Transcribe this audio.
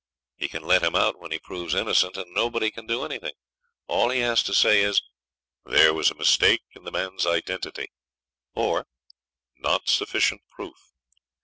He can let him out when he proves innocent, and nobody can do anything. All he has to say is: 'There was a mistake in the man's identity;' or, 'Not sufficient proof.'